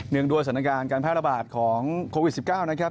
งด้วยสถานการณ์การแพร่ระบาดของโควิด๑๙นะครับ